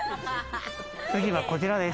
次はこちらです。